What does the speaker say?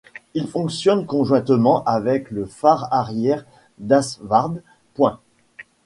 Il fonctionne conjointement avec le phare arrière d'Haszard Point.